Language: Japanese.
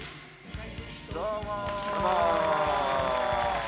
どうも。